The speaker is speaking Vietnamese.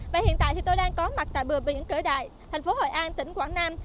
và hiện tại tôi đang có mặt tại bừa biển cỡ đại thành phố hội an tỉnh quảng nam